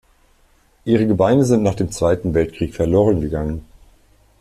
Ihre Gebeine sind nach dem Zweiten Weltkrieg verloren gegangen.